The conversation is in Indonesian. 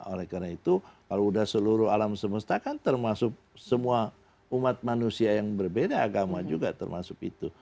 oleh karena itu kalau sudah seluruh alam semesta kan termasuk semua umat manusia yang berbeda agama juga termasuk itu